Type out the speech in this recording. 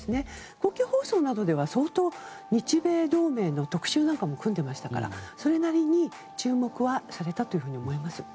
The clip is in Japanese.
公共放送などでは日米同盟の特集なんかも組んでいましたからそれなりに注目はされたと思います。